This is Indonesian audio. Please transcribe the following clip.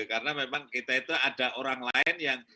karena memang kita itu ada orang lain yang